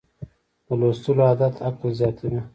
د لوستلو عادت عقل زیاتوي.